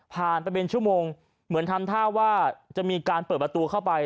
ไปเป็นชั่วโมงเหมือนทำท่าว่าจะมีการเปิดประตูเข้าไป